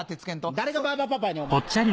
誰がバーバパパやねんお前。